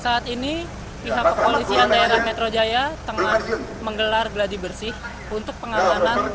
saat ini pihak kepolisian daerah metro jaya tengah menggelar geladi bersih untuk pengamanan